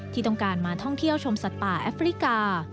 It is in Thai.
ที่ต้องการมาท่องเที่ยวชมสัตว์ป่าแอฟริกา